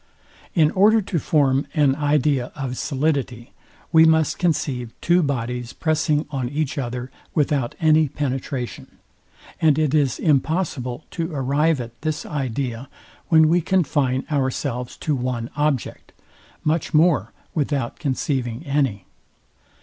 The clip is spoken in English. In order to form an idea of solidity, we must conceive two bodies pressing on each other without any penetration; and it is impossible to arrive at this idea, when we confine ourselves to one object, much more without conceiving any.